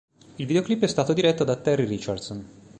Il videoclip è stato diretto da Terry Richardson.